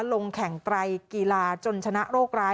ลงแข่งไตรกีฬาจนชนะโรคร้าย